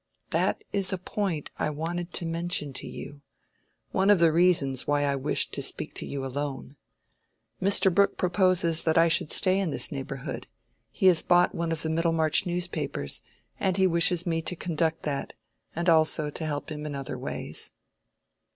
"That is a point I wanted to mention to you—one of the reasons why I wished to speak to you alone. Mr. Brooke proposes that I should stay in this neighborhood. He has bought one of the Middlemarch newspapers, and he wishes me to conduct that, and also to help him in other ways."